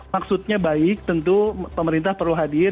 maksudnya baik tentu pemerintah perlu hadir